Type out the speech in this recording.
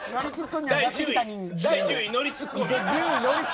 第１０位ノリツッコミ。